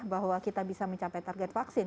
bahwa kita bisa mencapai target vaksin